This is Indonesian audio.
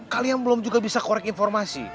kalian belum juga bisa korek informasi